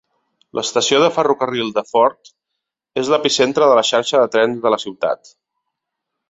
L'estació de ferrocarril de Fort és l'epicentre de la xarxa de trens de la ciutat.